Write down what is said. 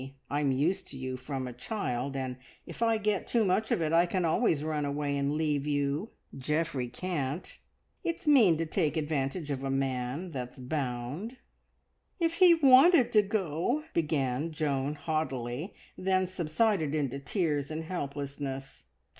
I'm used to you from a child, and if I get too much of it I can always run away and leave you; Geoffrey can't. It's mean to take advantage of a man that's bound." "If he wanted to go," began Joan haughtily, then subsided into tears and helplessness.